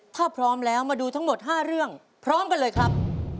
ถ้าพร้อมแล้วมาดูทั้งหมด๕เรื่องพร้อมกันเลยครับ